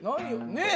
ねえ。